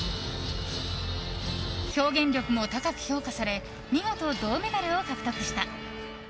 表現力も高く評価され見事、銅メダルを獲得した。